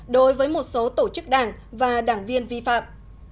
đối với một số tổ chức đảng và đảng viên vi phạm